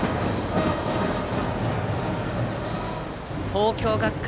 東京学館